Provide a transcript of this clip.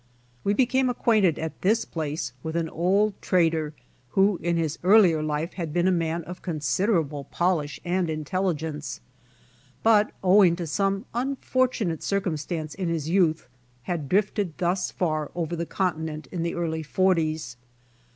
We became acquainted at this place with an old trader who in his earlier life had been a man of con siderable polish and intelligence, but owing to some unfortunate circumstances in his youth had drifted thus far over the continent in the early forties.